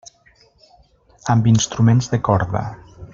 Amb instruments de corda.